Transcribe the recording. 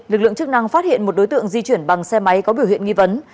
lực lượng chức năng phát hiện một đối tượng di chuyển bằng xe máy có biểu hiện nghi vấn